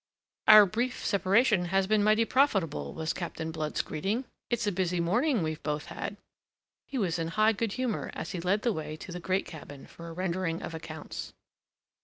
"Our brief separation has been mighty profitable," was Captain Blood's greeting. "It's a busy morning we've both had." He was in high good humour as he led the way to the great cabin for a rendering of accounts.